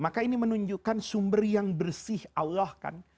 maka ini menunjukkan sumber yang bersih allah kan